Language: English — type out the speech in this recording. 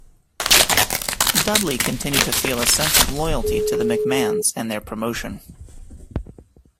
Dudley continued to feel a sense of loyalty to the McMahons and their promotion.